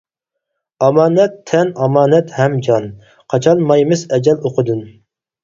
ئامانەت تەن ئامانەت ھەم جان، قاچالمايمىز ئەجەل ئوقىدىن.